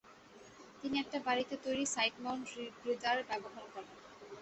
তিনি একটা বাড়িতে তৈরি সাইড মাউন্ট রিব্রিদার ব্যবহার করেন।